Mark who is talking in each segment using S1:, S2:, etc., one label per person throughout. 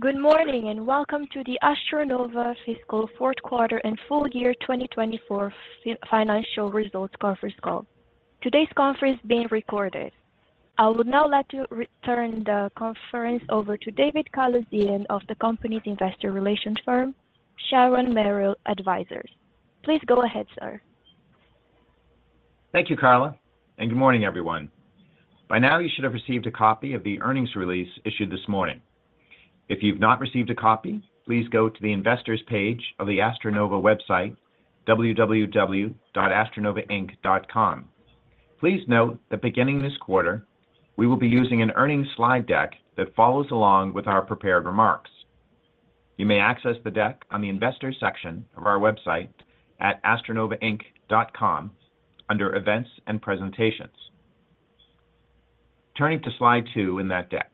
S1: Good morning and welcome to the AstroNova fiscal fourth quarter and full year 2024 financial results conference call. Today's conference is being recorded. I will now let you return the conference over to David Calusdian of the company's investor relations firm, Sharon Merrill Advisors. Please go ahead, sir.
S2: Thank you, Carla, and good morning, everyone. By now you should have received a copy of the earnings release issued this morning. If you've not received a copy, please go to the investors page of the AstroNova website, www.astronovainc.com. Please note that beginning this quarter we will be using an earnings slide deck that follows along with our prepared remarks. You may access the deck on the investors section of our website at astronovainc.com under Events and Presentations. Turning to slide two in that deck.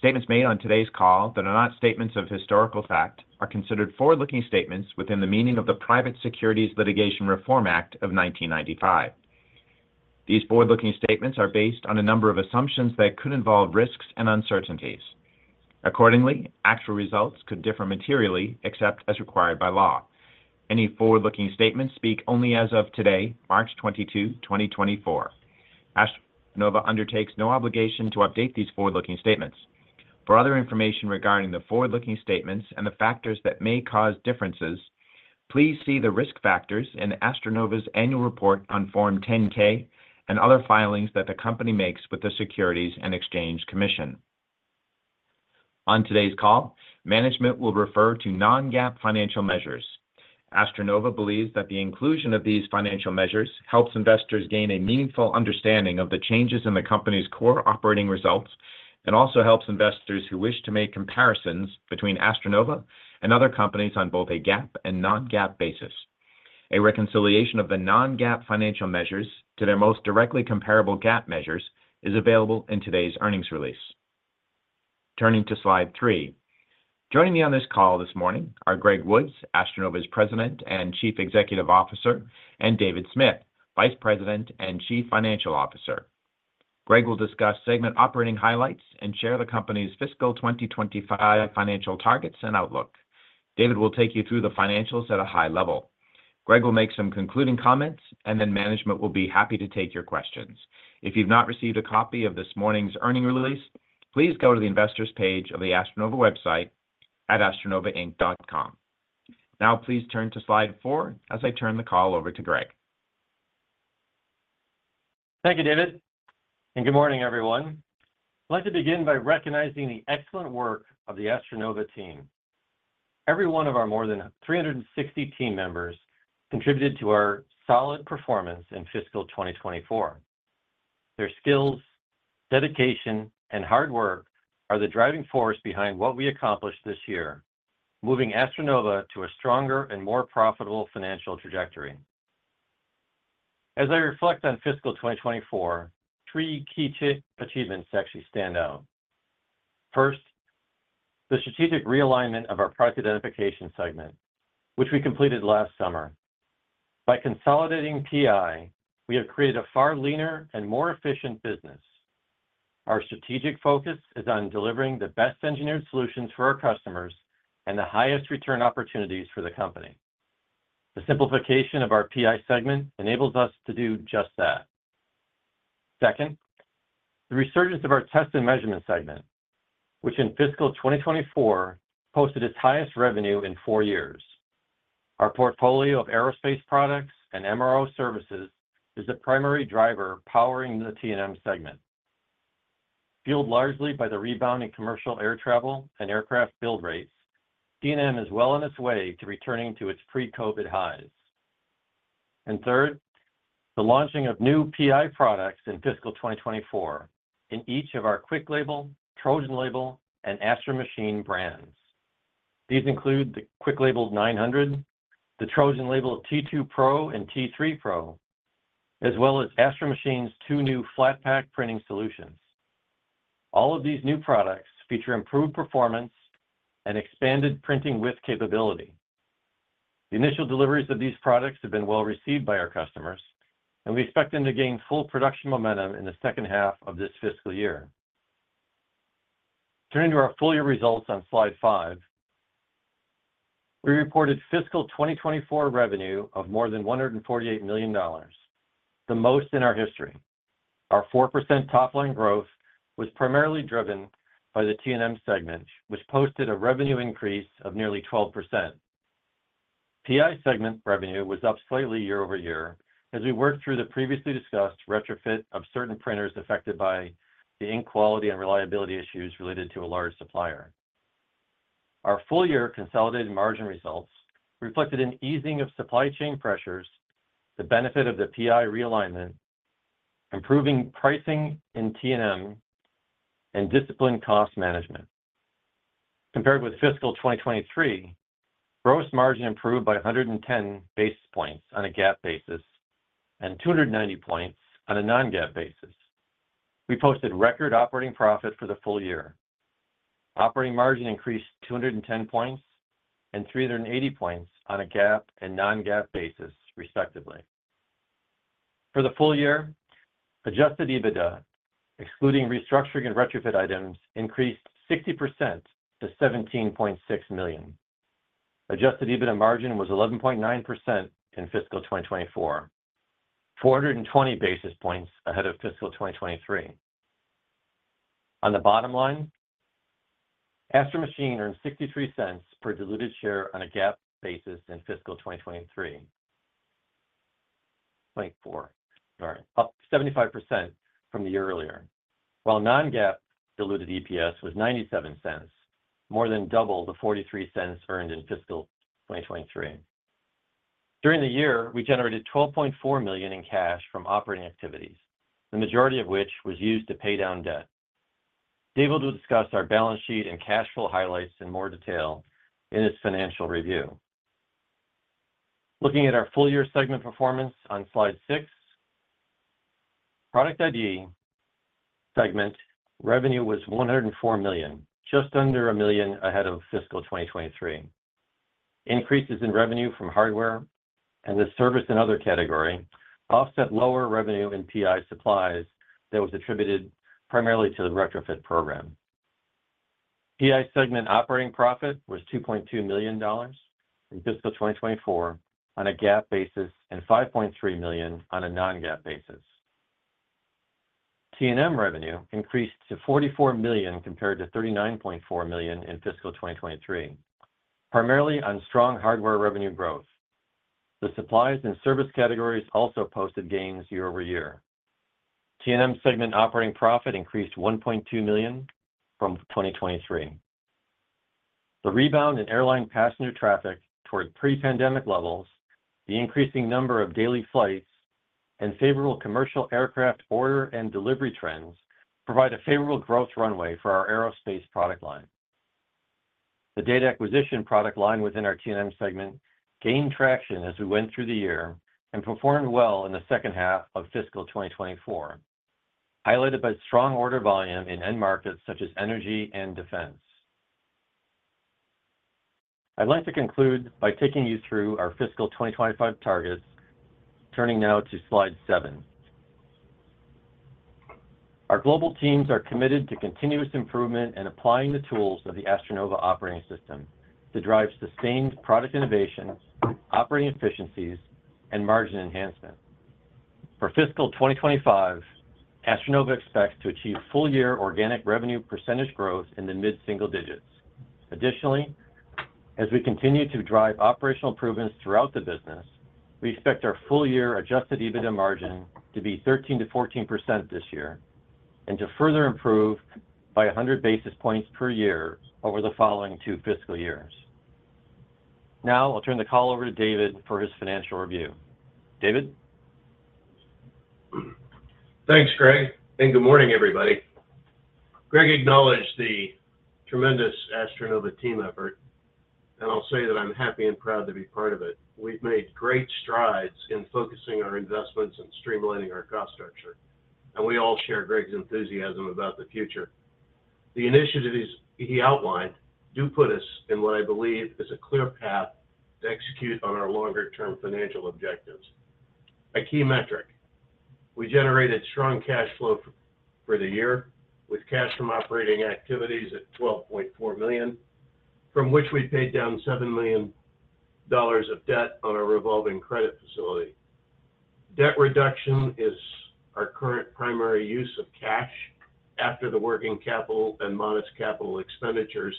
S2: Statements made on today's call that are not statements of historical fact are considered forward-looking statements within the meaning of the Private Securities Litigation Reform Act of 1995. These forward-looking statements are based on a number of assumptions that could involve risks and uncertainties. Accordingly, actual results could differ materially except as required by law. Any forward-looking statements speak only as of today, March 22, 2024. AstroNova undertakes no obligation to update these forward-looking statements. For other information regarding the forward-looking statements and the factors that may cause differences, please see the risk factors in AstroNova's annual report on Form 10-K and other filings that the company makes with the Securities and Exchange Commission. On today's call, management will refer to non-GAAP financial measures. AstroNova believes that the inclusion of these financial measures helps investors gain a meaningful understanding of the changes in the company's core operating results and also helps investors who wish to make comparisons between AstroNova and other companies on both a GAAP and non-GAAP basis. A reconciliation of the non-GAAP financial measures to their most directly comparable GAAP measures is available in today's earnings release. Turning to slide three. Joining me on this call this morning are Greg Woods, AstroNova's President and Chief Executive Officer, and David Smith, Vice President and Chief Financial Officer. Greg will discuss segment operating highlights and share the company's fiscal 2025 financial targets and outlook. David will take you through the financials at a high level. Greg will make some concluding comments, and then management will be happy to take your questions. If you've not received a copy of this morning's earnings release, please go to the investors page of the AstroNova website at astronovainc.com. Now please turn to slide 4 as I turn the call over to Greg.
S3: Thank you, David, and good morning, everyone. I'd like to begin by recognizing the excellent work of the AstroNova team. Every one of our more than 360 team members contributed to our solid performance in fiscal 2024. Their skills, dedication, and hard work are the driving force behind what we accomplished this year, moving AstroNova to a stronger and more profitable financial trajectory. As I reflect on fiscal 2024, three key achievements actually stand out. First, the strategic realignment of our Product Identification segment, which we completed last summer. By consolidating PI, we have created a far leaner and more efficient business. Our strategic focus is on delivering the best engineered solutions for our customers and the highest return opportunities for the company. The simplification of our PI segment enables us to do just that. Second, the resurgence of our Test and Measurement segment, which in fiscal 2024 posted its highest revenue in four years. Our portfolio of aerospace products and MRO services is the primary driver powering the T&M segment. Fueled largely by the rebound in commercial air travel and aircraft build rates, T&M is well on its way to returning to its pre-COVID highs. And third, the launching of new PI products in fiscal 2024 in each of our QuickLabel, TrojanLabel, and Astro Machine brands. These include the QuickLabel 900, the TrojanLabel T2-PRO and T3-PRO, as well as Astro Machine's two new flat pack printing solutions. All of these new products feature improved performance and expanded printing width capability. The initial deliveries of these products have been well received by our customers, and we expect them to gain full production momentum in the second half of this fiscal year. Turning to our full year results on slide five. We reported fiscal 2024 revenue of more than $148 million, the most in our history. Our 4% top-line growth was primarily driven by the T&M segment, which posted a revenue increase of nearly 12%. PI segment revenue was up slightly year-over-year as we worked through the previously discussed retrofit of certain printers affected by the ink quality and reliability issues related to a large supplier. Our full year consolidated margin results reflected an easing of supply chain pressures, the benefit of the PI realignment, improving pricing in T&M, and disciplined cost management. Compared with fiscal 2023, gross margin improved by 110 basis points on a GAAP basis and 290 points on a non-GAAP basis. We posted record operating profit for the full year. Operating margin increased 210 points and 380 points on a GAAP and non-GAAP basis, respectively. For the full year, adjusted EBITDA, excluding restructuring and retrofit items, increased 60% to $17.6 million. Adjusted EBITDA margin was 11.9% in fiscal 2024, 420 basis points ahead of fiscal 2023. On the bottom line, Astro Machine earned $0.63 per diluted share on a GAAP basis in fiscal 2024, up 75% from the year earlier, while non-GAAP diluted EPS was $0.97, more than double the $0.43 earned in fiscal 2023. During the year, we generated $12.4 million in cash from operating activities, the majority of which was used to pay down debt. David will discuss our balance sheet and cash flow highlights in more detail in his financial review. Looking at our full year segment performance on slide six. Product ID segment revenue was $104 million, just under $1 million ahead of fiscal 2023. Increases in revenue from hardware and the service and other category offset lower revenue in PI supplies that was attributed primarily to the retrofit program. PI segment operating profit was $2.2 million in fiscal 2024 on a GAAP basis and $5.3 million on a non-GAAP basis. T&M revenue increased to $44 million compared to $39.4 million in fiscal 2023, primarily on strong hardware revenue growth. The supplies and service categories also posted gains year-over-year. T&M segment operating profit increased $1.2 million from 2023. The rebound in airline passenger traffic toward pre-pandemic levels, the increasing number of daily flights, and favorable commercial aircraft order and delivery trends provide a favorable growth runway for our aerospace product line. The data acquisition product line within our T&M segment gained traction as we went through the year and performed well in the second half of fiscal 2024, highlighted by strong order volume in end markets such as energy and defense. I'd like to conclude by taking you through our fiscal 2025 targets, turning now to slide seven. Our global teams are committed to continuous improvement and applying the tools of the AstroNova Operating System to drive sustained product innovation, operating efficiencies, and margin enhancement. For fiscal 2025, AstroNova expects to achieve full year organic revenue percentage growth in the mid-single digits. Additionally, as we continue to drive operational improvements throughout the business, we expect our full year adjusted EBITDA margin to be 13%-14% this year and to further improve by 100 basis points per year over the following two fiscal years. Now I'll turn the call over to David for his financial review. David?
S4: Thanks, Greg, and good morning, everybody. Greg acknowledged the tremendous AstroNova team effort, and I'll say that I'm happy and proud to be part of it. We've made great strides in focusing our investments and streamlining our cost structure, and we all share Greg's enthusiasm about the future. The initiatives he outlined do put us in what I believe is a clear path to execute on our longer-term financial objectives. A key metric: we generated strong cash flow for the year with cash from operating activities at $12.4 million, from which we paid down $7 million of debt on our revolving credit facility. Debt reduction is our current primary use of cash after the working capital and modest capital expenditures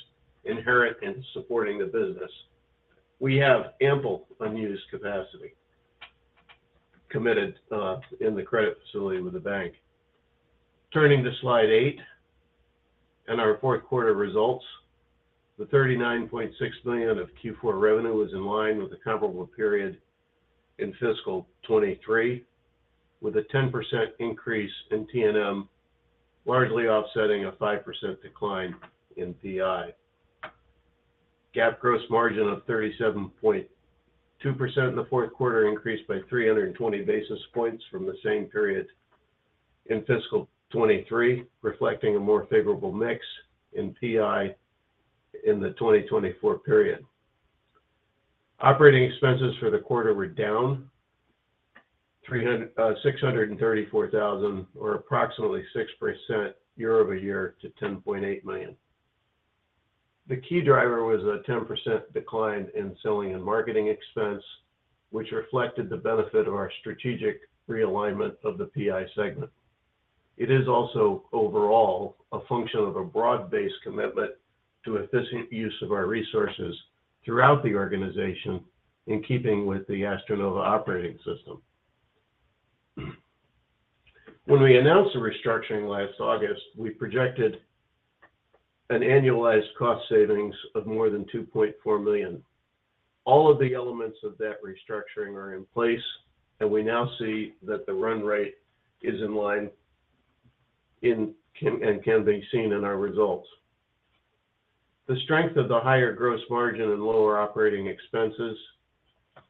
S4: inherent in supporting the business. We have ample unused capacity committed in the credit facility with the bank. Turning to slide eight and our fourth quarter results. The $39.6 million of Q4 revenue was in line with the comparable period in fiscal 2023, with a 10% increase in T&M largely offsetting a 5% decline in PI. GAAP gross margin of 37.2% in the fourth quarter increased by 320 basis points from the same period in fiscal 2023, reflecting a more favorable mix in PI in the 2024 period. Operating expenses for the quarter were down $634,000, or approximately 6% year-over-year to $10.8 million. The key driver was a 10% decline in selling and marketing expense, which reflected the benefit of our strategic realignment of the PI segment. It is also overall a function of a broad-based commitment to efficient use of our resources throughout the organization in keeping with the AstroNova operating system. When we announced the restructuring last August, we projected an annualized cost savings of more than $2.4 million. All of the elements of that restructuring are in place, and we now see that the run rate is in line and can be seen in our results. The strength of the higher gross margin and lower operating expenses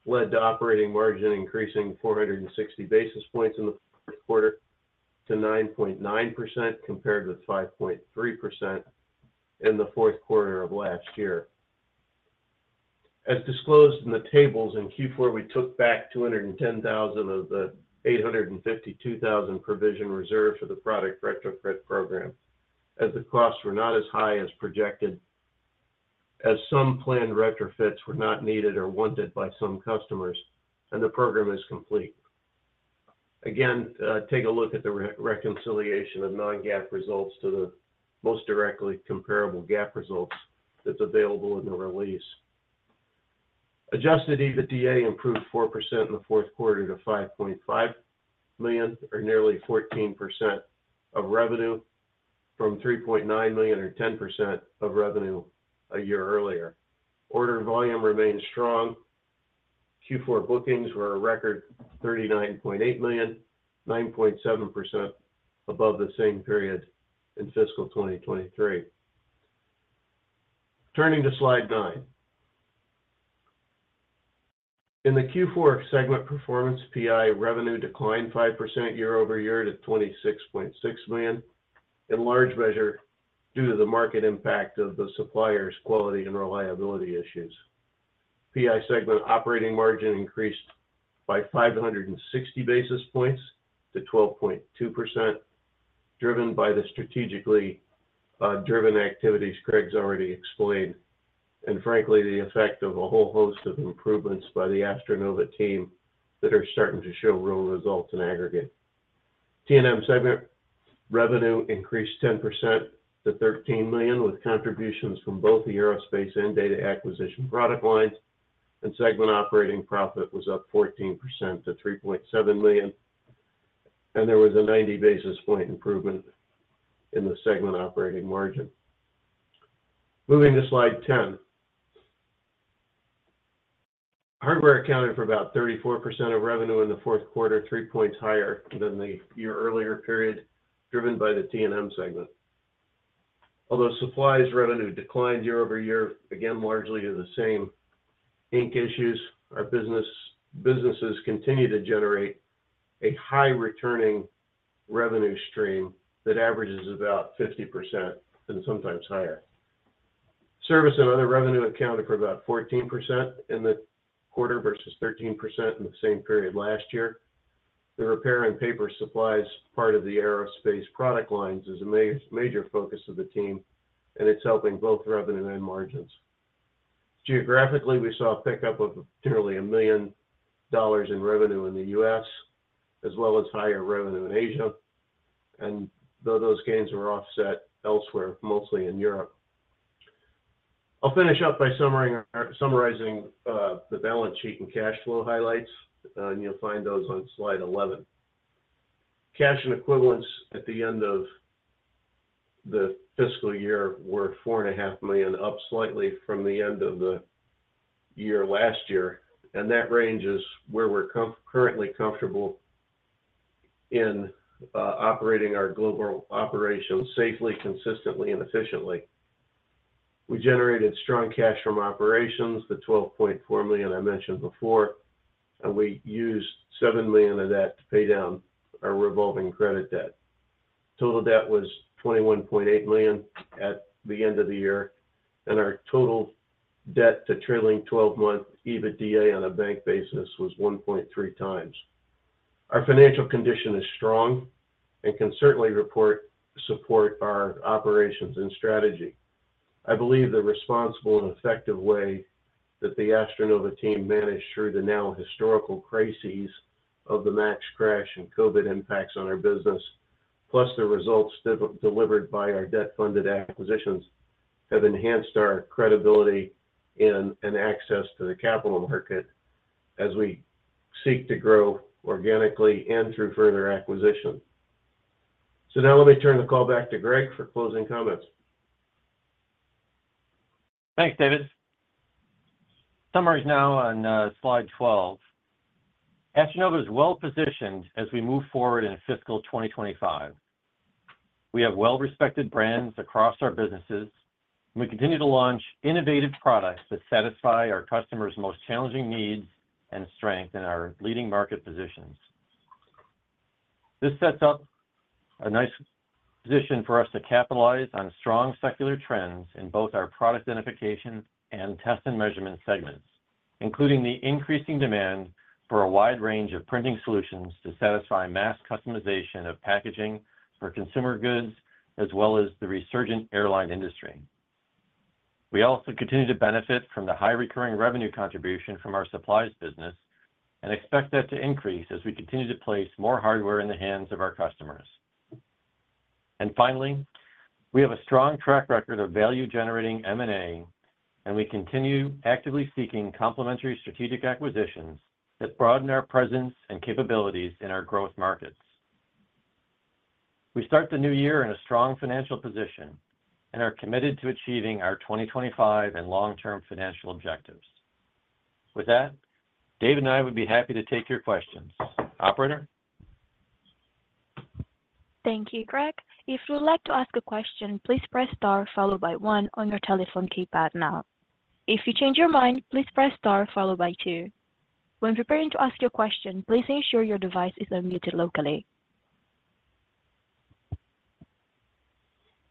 S4: led to operating margin increasing 460 basis points in the fourth quarter to 9.9% compared with 5.3% in the fourth quarter of last year. As disclosed in the tables in Q4, we took back $210,000 of the $852,000 provision reserve for the product retrofit program as the costs were not as high as projected, as some planned retrofits were not needed or wanted by some customers, and the program is complete. Again, take a look at the reconciliation of non-GAAP results to the most directly comparable GAAP results that's available in the release. Adjusted EBITDA improved 4% in the fourth quarter to $5.5 million, or nearly 14% of revenue, from $3.9 million, or 10% of revenue a year earlier. Order volume remained strong. Q4 bookings were a record $39.8 million, 9.7% above the same period in fiscal 2023. Turning to slide 9. In the Q4 segment performance, PI revenue declined 5% year-over-year to $26.6 million, in large measure due to the market impact of the supplier's quality and reliability issues. PI segment operating margin increased by 560 basis points to 12.2%, driven by the strategically driven activities Greg's already explained, and frankly, the effect of a whole host of improvements by the AstroNova team that are starting to show real results in aggregate. T&M segment revenue increased 10% to $13 million with contributions from both the aerospace and data acquisition product lines, and segment operating profit was up 14% to $3.7 million, and there was a 90 basis point improvement in the segment operating margin. Moving to slide 10. Hardware accounted for about 34% of revenue in the fourth quarter, three points higher than the year earlier period, driven by the T&M segment. Although supplies revenue declined year-over-year, again, largely to the same ink issues, our businesses continue to generate a high-returning revenue stream that averages about 50% and sometimes higher. Service and other revenue accounted for about 14% in the quarter versus 13% in the same period last year. The repair and paper supplies part of the aerospace product lines is a major focus of the team, and it's helping both revenue and margins. Geographically, we saw a pickup of nearly $1 million in revenue in the US as well as higher revenue in Asia, and though those gains were offset elsewhere, mostly in Europe. I'll finish up by summarizing the balance sheet and cash flow highlights, and you'll find those on slide 11. Cash and equivalents at the end of the fiscal year were $4.5 million up slightly from the end of the year last year, and that range is where we're currently comfortable in operating our global operations safely, consistently, and efficiently. We generated strong cash from operations, the $12.4 million I mentioned before, and we used $7 million of that to pay down our revolving credit debt. Total debt was $21.8 million at the end of the year, and our total debt to trailing 12-month EBITDA on a bank basis was 1.3x. Our financial condition is strong and can certainly support our operations and strategy. I believe the responsible and effective way that the AstroNova team managed through the now historical crises of the MAX crash and COVID impacts on our business, plus the results delivered by our debt-funded acquisitions, have enhanced our credibility and access to the capital market as we seek to grow organically and through further acquisition. So now let me turn the call back to Greg for closing comments. Thanks, David. Summary's now on slide 12. AstroNova is well positioned as we move forward in fiscal 2025. We have well-respected brands across our businesses, and we continue to launch innovative products that satisfy our customers' most challenging needs and strength in our leading market positions. This sets up a nice position for us to capitalize on strong secular trends in both our Product Identification and Test and Measurement segments, including the increasing demand for a wide range of printing solutions to satisfy mass customization of packaging for consumer goods as well as the resurgent airline industry. We also continue to benefit from the high recurring revenue contribution from our supplies business and expect that to increase as we continue to place more hardware in the hands of our customers.
S3: Finally, we have a strong track record of value-generating M&A, and we continue actively seeking complementary strategic acquisitions that broaden our presence and capabilities in our growth markets. We start the new year in a strong financial position and are committed to achieving our 2025 and long-term financial objectives. With that, David and I would be happy to take your questions. Operator?
S1: Thank you, Greg. If you would like to ask a question, please press star followed by one on your telephone keypad now. If you change your mind, please press star followed by two. When preparing to ask your question, please ensure your device is unmuted locally.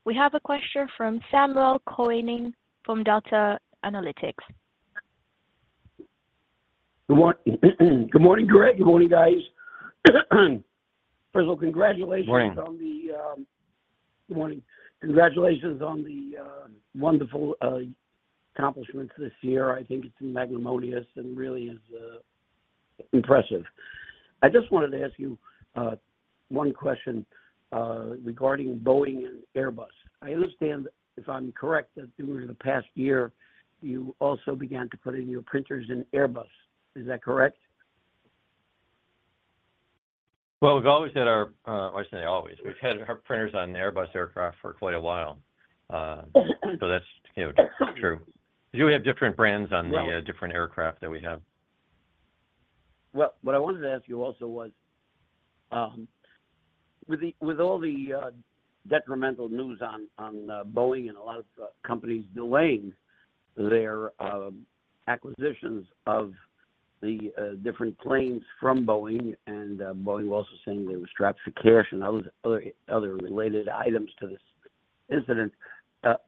S1: We have a question from Samuel Koenig from Delta Analytics.
S5: Good morning. Good morning, Greg. Good morning, guys. First of all, congratulations on the.
S3: Morning.
S5: Good morning. Congratulations on the wonderful accomplishments this year. I think it's magnificent and really is impressive. I just wanted to ask you one question regarding Boeing and Airbus. I understand, if I'm correct, that during the past year, you also began to put in your printers in Airbus. Is that correct?
S3: Well, we've always had our printers on Airbus aircraft for quite a while. So that's true. Because we have different brands on the different aircraft that we have.
S5: Well, what I wanted to ask you also was, with all the detrimental news on Boeing and a lot of companies delaying their acquisitions of the different planes from Boeing, and Boeing was also saying they were strapped for cash and other related items to this incident,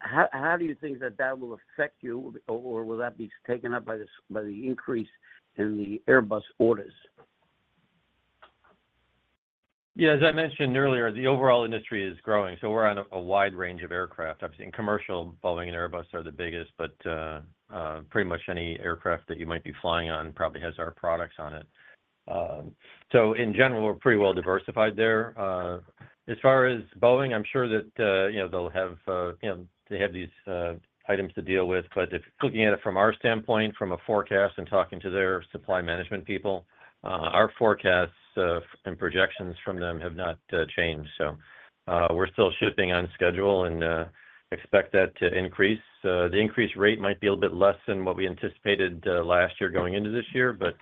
S5: how do you think that that will affect you, or will that be taken up by the increase in the Airbus orders?
S3: Yeah. As I mentioned earlier, the overall industry is growing. So we're on a wide range of aircraft. Obviously, in commercial, Boeing and Airbus are the biggest, but pretty much any aircraft that you might be flying on probably has our products on it. So in general, we're pretty well diversified there. As far as Boeing, I'm sure that they'll have they have these items to deal with. But if looking at it from our standpoint, from a forecast and talking to their supply management people, our forecasts and projections from them have not changed. So we're still shipping on schedule and expect that to increase. The increase rate might be a little bit less than what we anticipated last year going into this year, but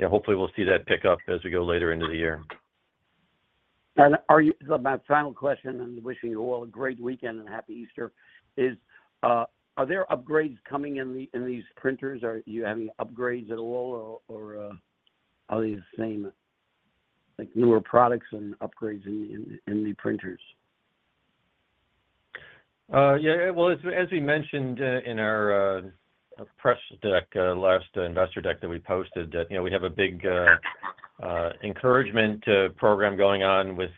S3: hopefully, we'll see that pick up as we go later into the year.
S5: My final question, and wishing you all a great weekend and Happy Easter, is, are there upgrades coming in these printers? Are you having upgrades at all, or are they the same, newer products and upgrades in the printers?
S3: Yeah. Well, as we mentioned in our press deck, last investor deck that we posted, we have a big encouragement program going on with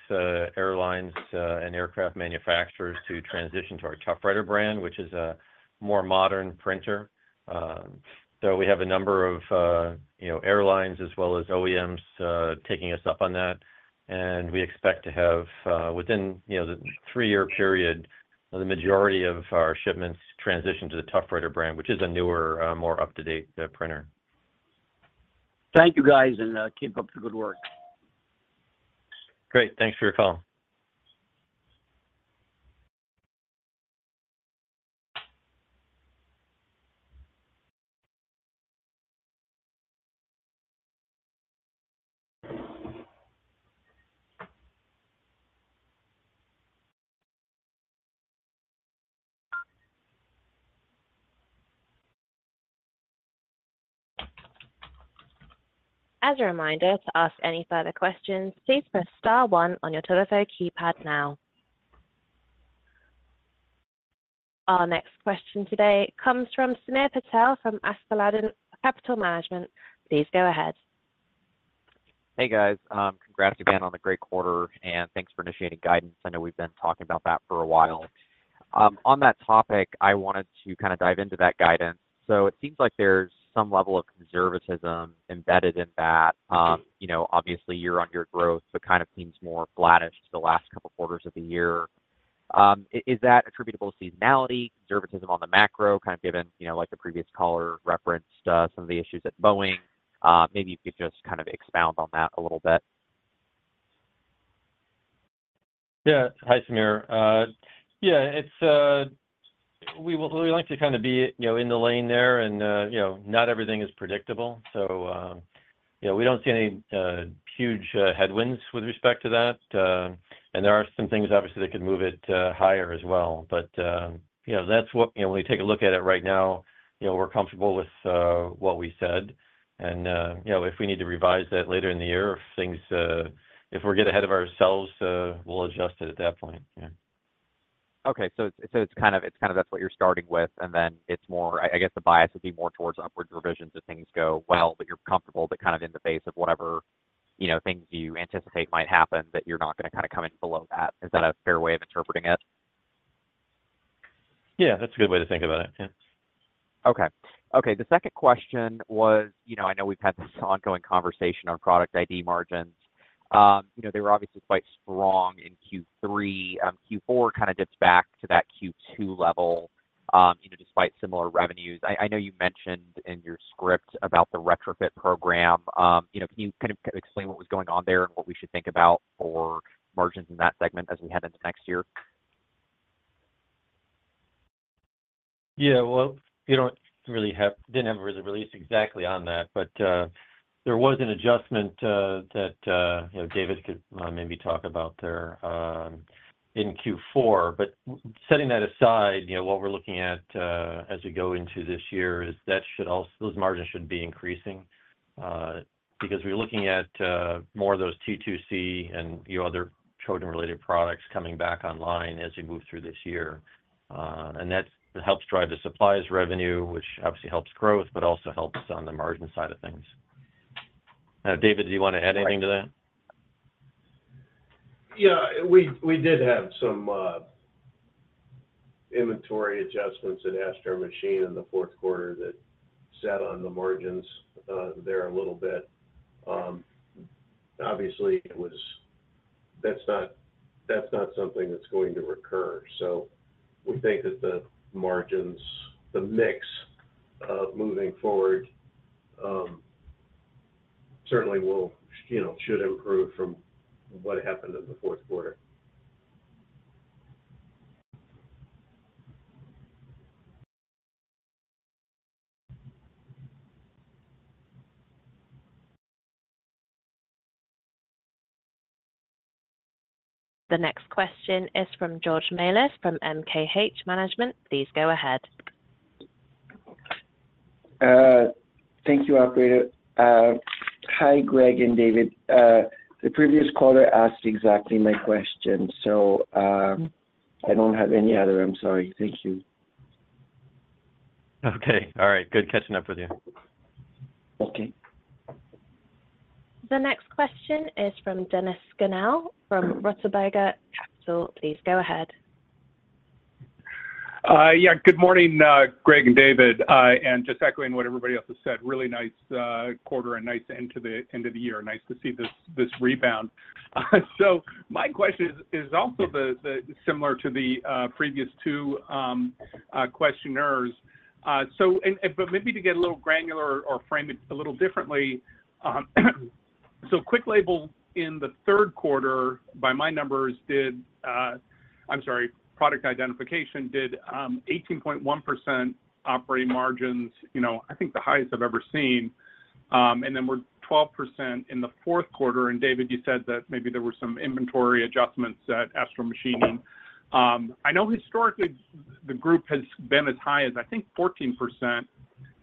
S3: airlines and aircraft manufacturers to transition to our ToughWriter brand, which is a more modern printer. So we have a number of airlines as well as OEMs taking us up on that. And we expect to have, within the three-year period, the majority of our shipments transition to the ToughWriter brand, which is a newer, more up-to-date printer.
S5: Thank you, guys, and keep up the good work.
S3: Great. Thanks for your call.
S1: As a reminder, to ask any further questions, please press star one on your telephone keypad now. Our next question today comes from Samir Patel from Askeladden Capital Management. Please go ahead.
S6: Hey, guys. Congrats again on the great quarter, and thanks for initiating guidance. I know we've been talking about that for a while. On that topic, I wanted to kind of dive into that guidance. So it seems like there's some level of conservatism embedded in that. Obviously, you're on your growth, but kind of seems more flattish the last couple of quarters of the year. Is that attributable to seasonality, conservatism on the macro, kind of given the previous caller referenced some of the issues at Boeing? Maybe you could just kind of expound on that a little bit.
S3: Yeah. Hi, Samir. Yeah. We like to kind of be in the lane there, and not everything is predictable. So we don't see any huge headwinds with respect to that. And there are some things, obviously, that could move it higher as well. But that's what, when you take a look at it right now, we're comfortable with what we said. And if we need to revise that later in the year, if we're get ahead of ourselves, we'll adjust it at that point. Yeah.
S6: Okay. So it's kind of that's what you're starting with, and then it's more I guess the bias would be more towards upward revisions if things go well, but you're comfortable that kind of in the face of whatever things you anticipate might happen, that you're not going to kind of come in below that. Is that a fair way of interpreting it?
S3: Yeah. That's a good way to think about it. Yeah.
S6: Okay. Okay. The second question was, I know we've had this ongoing conversation on Product ID margins. They were obviously quite strong in Q3. Q4 kind of dips back to that Q2 level despite similar revenues. I know you mentioned in your script about the retrofit program. Can you kind of explain what was going on there and what we should think about for margins in that segment as we head into next year?
S3: Yeah. Well, we didn't have a release exactly on that, but there was an adjustment that David could maybe talk about there in Q4. But setting that aside, what we're looking at as we go into this year is those margins should be increasing because we're looking at more of those T2-C and other children-related products coming back online as we move through this year. And that helps drive the supplies revenue, which obviously helps growth, but also helps on the margin side of things. Now, David, do you want to add anything to that?
S4: Yeah. We did have some inventory adjustments at Astro Machine in the fourth quarter that sat on the margins there a little bit. Obviously, that's not something that's going to recur. So we think that the margins, the mix moving forward, certainly should improve from what happened in the fourth quarter.
S1: The next question is from George Melas from MKH Management. Please go ahead.
S7: Thank you, Operator. Hi, Greg and David. The previous caller asked exactly my question, so I don't have any other. I'm sorry. Thank you.
S3: Okay. All right. Good catching up with you.
S7: Okay.
S1: The next question is from Dennis Scannell from Rutabaga Capital. Please go ahead.
S8: Yeah. Good morning, Greg and David. And just echoing what everybody else has said, really nice quarter and nice end to the year. Nice to see this rebound. So my question is also similar to the previous two questionnaires. But maybe to get a little granular or frame it a little differently, so QuickLabel in the third quarter, by my numbers, did I'm sorry, Product Identification did 18.1% operating margins, I think the highest I've ever seen. And then we're 12% in the fourth quarter. And David, you said that maybe there were some inventory adjustments at Astro Machine. I know historically, the group has been as high as, I think, 14%.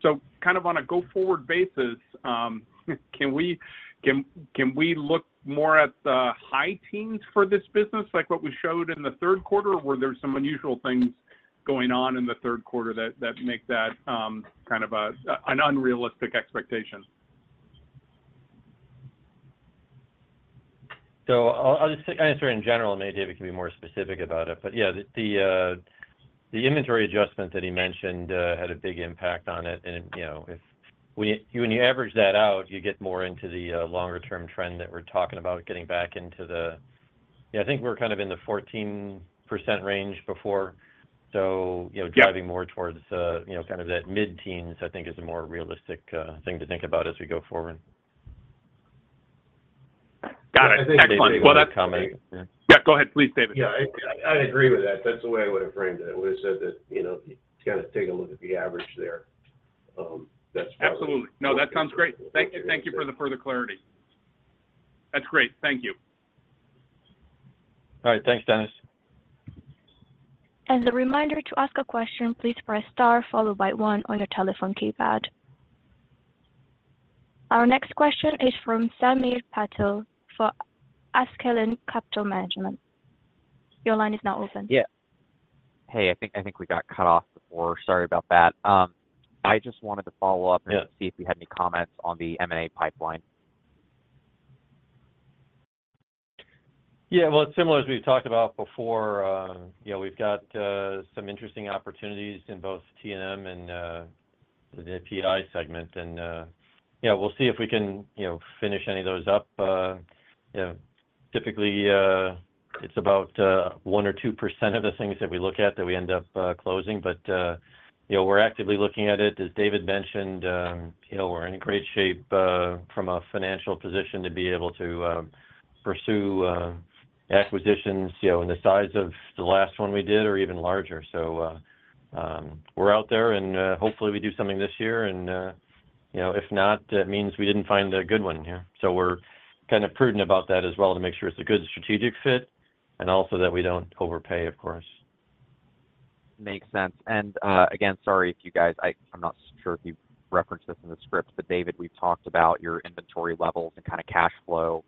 S8: So, kind of on a go-forward basis, can we look more at the high teens for this business, like what we showed in the third quarter, or were there some unusual things going on in the third quarter that make that kind of an unrealistic expectation?
S3: So I'll just answer in general. Maybe David can be more specific about it. But yeah, the inventory adjustment that he mentioned had a big impact on it. And when you average that out, you get more into the longer-term trend that we're talking about getting back into the, yeah, I think we're kind of in the 14% range before. So driving more towards kind of that mid-teens, I think, is a more realistic thing to think about as we go forward.
S8: Got it. Excellent. Well, that.
S3: David, comment?
S8: Yeah. Go ahead, please, David.
S4: Yeah. I'd agree with that. That's the way I would have framed it. I would have said that you kind of take a look at the average there. That's probably.
S8: Absolutely. No, that sounds great. Thank you for the further clarity. That's great. Thank you.
S3: All right. Thanks, Dennis.
S1: As a reminder to ask a question, please press star followed by one on your telephone keypad. Our next question is from Samir Patel for Askeladden Capital Management. Your line is now open.
S6: Yeah. Hey, I think we got cut off before. Sorry about that. I just wanted to follow up and see if you had any comments on the M&A pipeline.
S3: Yeah. Well, it's similar as we've talked about before. We've got some interesting opportunities in both T&M and the PI segment. And we'll see if we can finish any of those up. Typically, it's about 1% or 2% of the things that we look at that we end up closing. But we're actively looking at it. As David mentioned, we're in great shape from a financial position to be able to pursue acquisitions in the size of the last one we did or even larger. So we're out there, and hopefully, we do something this year. And if not, that means we didn't find a good one. So we're kind of prudent about that as well to make sure it's a good strategic fit and also that we don't overpay, of course.
S6: Makes sense. And again, sorry if you guys, I'm not sure if you referenced this in the script, but David, we've talked about your inventory levels and kind of cash flow.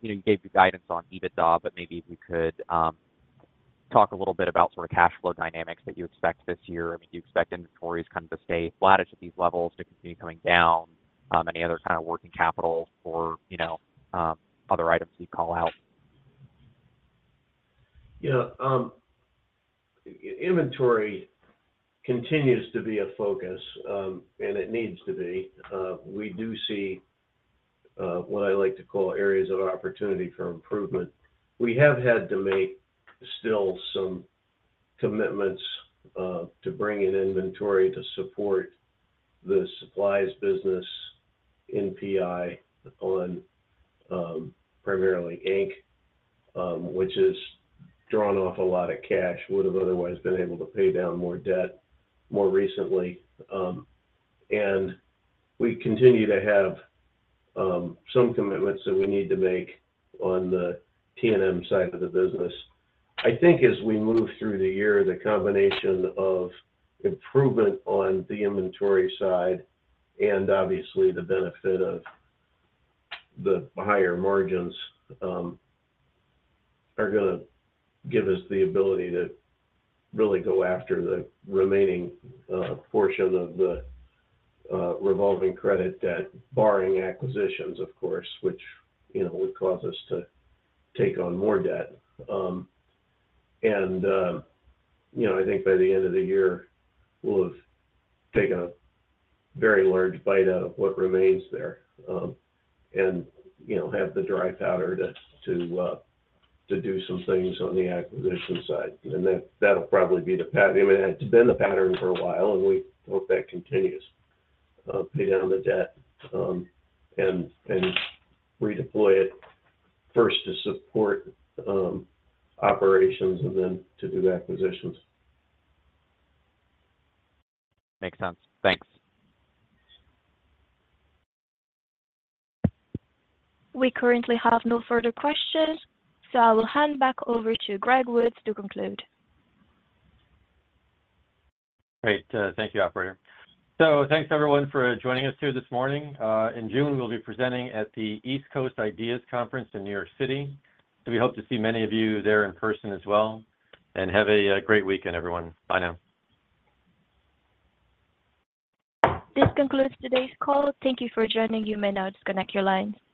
S6: You gave your guidance on EBITDA, but maybe if we could talk a little bit about sort of cash flow dynamics that you expect this year. I mean, do you expect inventories kind of to stay flatish at these levels, to continue coming down, any other kind of working capital or other items that you call out?
S4: Yeah. Inventory continues to be a focus, and it needs to be. We do see what I like to call areas of opportunity for improvement. We have had to make still some commitments to bring in inventory to support the supplies business NPI on primarily PI, which has drawn off a lot of cash, would have otherwise been able to pay down more debt more recently. And we continue to have some commitments that we need to make on the T&M side of the business. I think as we move through the year, the combination of improvement on the inventory side and obviously the benefit of the higher margins are going to give us the ability to really go after the remaining portion of the revolving credit debt, barring acquisitions, of course, which would cause us to take on more debt. And I think by the end of the year, we'll have taken a very large bite out of what remains there and have the dry powder to do some things on the acquisition side. And that'll probably be the pattern. I mean, it's been the pattern for a while, and we hope that continues. Pay down the debt and redeploy it first to support operations and then to do acquisitions.
S6: Makes sense. Thanks.
S1: We currently have no further questions, so I will hand back over to Greg Woods to conclude.
S3: Great. Thank you, Operator. Thanks, everyone, for joining us here this morning. In June, we'll be presenting at the East Coast IDEAS Conference in New York City. We hope to see many of you there in person as well. Have a great weekend, everyone. Bye now.
S1: This concludes today's call. Thank you for joining. You may now disconnect your lines.